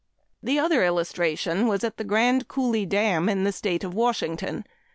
The other illustration was at the Grand Coulee Dam in the state of Washington.